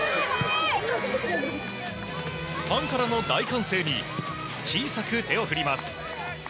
ファンからの大歓声に小さく手を振ります。